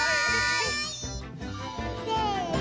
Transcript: せの。